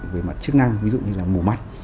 về mặt chức năng ví dụ như là mù mắt